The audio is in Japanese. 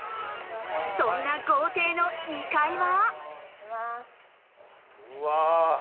そんな豪邸の２階は。